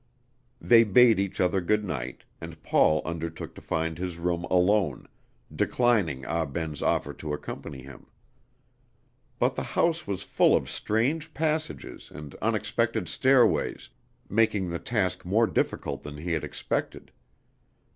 They bade each other good night, and Paul undertook to find his room alone, declining Ah Ben's offer to accompany him. But the house was full of strange passages and unexpected stairways, making the task more difficult than he had expected.